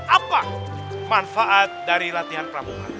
apa manfaat dari latihan pramuka